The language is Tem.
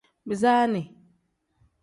Bisaani.